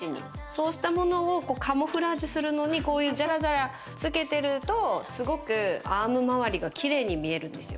そうしたものをカムフラージュするのにじゃらじゃらつけてるとすごくアーム周りが綺麗に見えるんですよ。